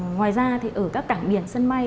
ngoài ra thì ở các cảng biển sân may